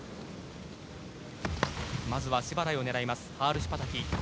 まずは足払いを狙いますハールシュパタキ。